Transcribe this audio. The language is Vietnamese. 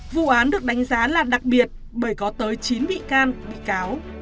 vụ án được đánh giá là đặc biệt bởi có tới chín bị can bị cáo